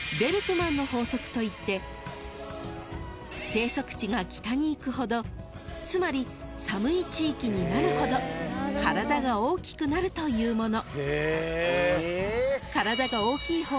［生息地が北にいくほどつまり寒い地域になるほど体が大きくなるというもの］